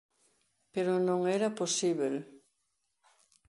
Pero non era posíbel.